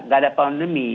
nggak ada pandemi